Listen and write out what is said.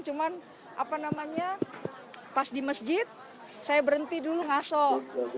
cuman apa namanya pas di masjid saya berhenti dulu ngasok